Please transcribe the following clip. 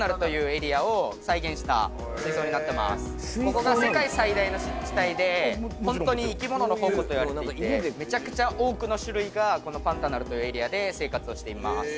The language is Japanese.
ここが世界最大の湿地帯でホントに生き物の宝庫といわれていてめちゃくちゃ多くの種類がこのパンタナルというエリアで生活をしています。